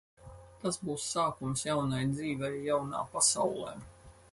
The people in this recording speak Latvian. Tas būs sākums jaunai dzīvei jaunā pasaulē.